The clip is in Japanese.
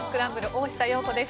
大下容子です。